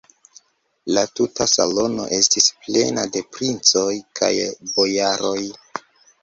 La tuta salono estis plena de princoj kaj bojaroj.